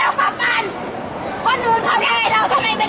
อาหรับเชี่ยวจามันไม่มีควรหยุด